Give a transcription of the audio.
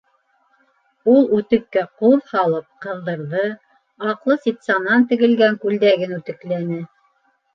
Ул үтеккә ҡуҙ һалып, ҡыҙҙырҙы, аҡлы ситсанан тегелгән күлдәген үтекләне.